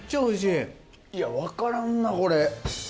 いや分からんなこれ。